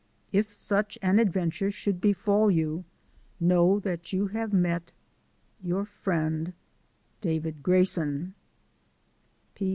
If such an adventure should befall you, know that you have met Your friend, David Grayson.